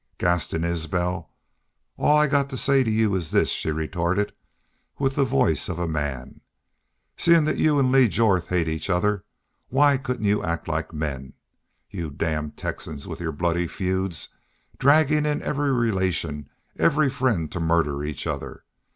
"Gaston Isbel, all I've got to say to you is this," she retorted, with the voice of a man. "Seein' that you an' Lee Jorth hate each other, why couldn't you act like men? ... You damned Texans, with your bloody feuds, draggin' in every relation, every friend to murder each other!